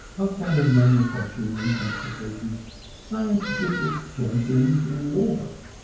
Outside of manufacturing and transportation, science gets its chance in war.